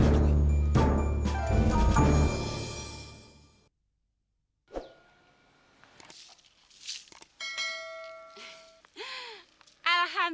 eh jangan pak jangan